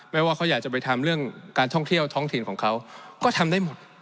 ว่าเขาอยากจะไปทำเรื่องการท่องเที่ยวท้องถิ่นของเขาก็ทำได้หมด